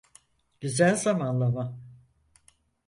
Güzel zamanlama.